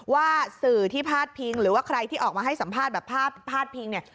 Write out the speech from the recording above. ว่าสื่อที่พาดพิงหรือว่าใครที่ออกมาให้สัมภาษณ์แบบพาดพิงเนี่ย